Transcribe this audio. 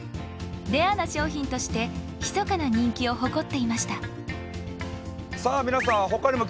レアな商品としてひそかな人気を誇っていましたさあ